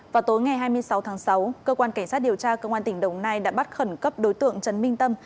vào tối ngày hai mươi sáu tháng sáu cơ quan cảnh sát điều tra cơ quan tỉnh đồng nai đã bắt khẩn cấp đối tượng trấn minh tâm